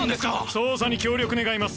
捜査に協力願います